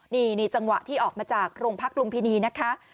นี่จังหวะที่ออกมาจากโรงพักลุมพินีนะคะ